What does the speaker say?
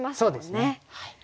そうですね。